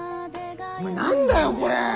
お前何だよこれ！